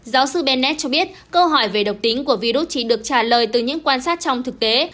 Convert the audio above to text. giáo sư benned cho biết câu hỏi về độc tính của virus chỉ được trả lời từ những quan sát trong thực tế